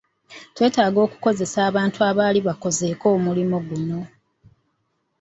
Twetaaga okukozesa abantu abaali bakozeeko omulimu guno.